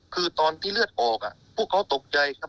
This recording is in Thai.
คือตอนที่เลือดออกพวกเขาตกใจครับ